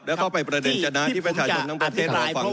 แล้วก็ไปประเด็นจณะที่เป็นชาวจรรย์ทั้งวงประเทศออกฝั่งอยู่ครับ